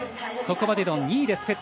ここまでの２位です。